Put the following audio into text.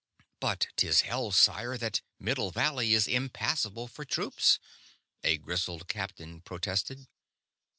"But 'tis held, sire, that Middle Valley is impassable for troops," a grizzled captain protested.